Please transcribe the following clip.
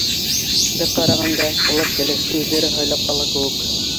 Бер ҡарағанда, улар кәләште үҙҙәре һайлап ала кеүек.